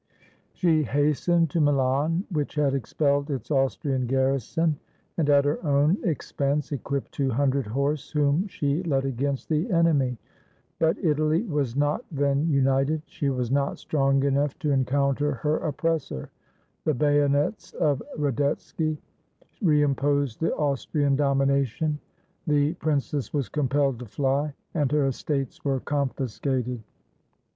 She hastened to Milan, which had expelled its Austrian garrison, and at her own expense equipped two hundred horse, whom she led against the enemy. But Italy was not then united; she was not strong enough to encounter her oppressor; the bayonets of Radetzky re imposed the Austrian domination; the princess was compelled to fly, and her estates were confiscated.